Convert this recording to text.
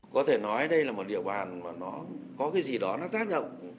có thể nói đây là một địa bàn mà nó có cái gì đó nó tác động